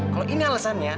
kalau ini alasannya